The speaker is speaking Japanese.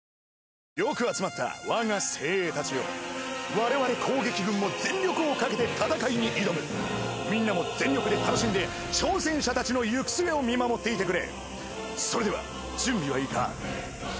我々攻撃軍も全力をかけて戦いに挑むみんなも全力で楽しんで挑戦者たちの行く末を見守っていてくれそれでは準備はいいか？